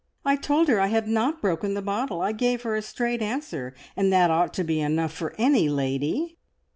"I told her I had not broken the bottle. I gave her a straight answer, and that ought to be enough for any lady!"